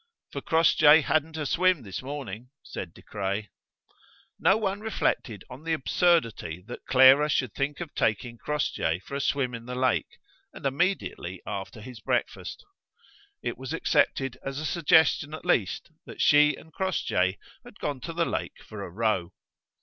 "For Crossjay hadn't a swim this morning!" said De Craye. No one reflected on the absurdity that Clara should think of taking Crossjay for a swim in the lake, and immediately after his breakfast: it was accepted as a suggestion at least that she and Crossjay had gone to the lake for a row.